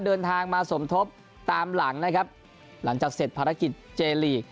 เดินทางมาสมทบตามหลังนะครับหลังจากเสร็จภารกิจเจลีก